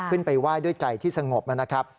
ขึ้นไปไหว้ด้วยใจที่สงบนะครับ